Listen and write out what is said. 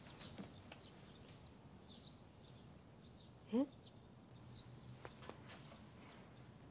えっ。